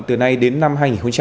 từ nay đến năm hai nghìn hai mươi